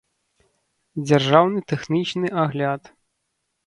дзяржаўны тэхнічны агляд